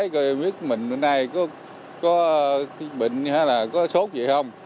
để biết mình hôm nay có bệnh hay là có sốt gì không